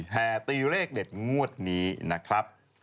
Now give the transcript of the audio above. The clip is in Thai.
แห่ตีเลขเด็ดงวดนี้นะครับ